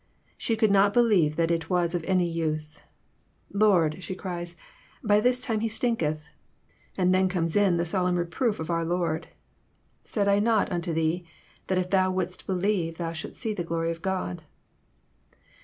She could not believe that it was of any use. '^ Lord," she cries, *^ by this time he stinketh." And then comes in the solemn reproof of our Lord :^^ Said I not unto thee that if thou wouldest believe thou shouldest see the glory of God?